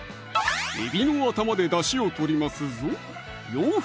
えびの頭でだしを取りますぞ